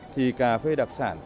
thì cà phê đặc sản